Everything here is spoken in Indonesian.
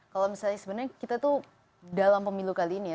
kalau misalnya sebenarnya kita tuh dalam pemilu kali ini ya